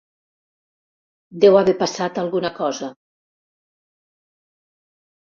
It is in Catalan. Deu haver passat alguna cosa.